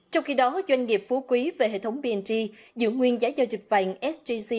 trong khi đó doanh nghiệp phú quý về hệ thống p g giữ nguyên giá giao dịch bàn sgc